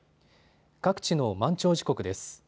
各地の満潮時刻です。